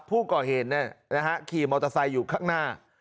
ผู้ก่อเหตุขี่มอเตอร์ไซค์อยู่ข้างหน้า